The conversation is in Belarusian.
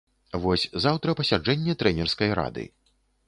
Вось заўтра пасяджэнне трэнерскай рады.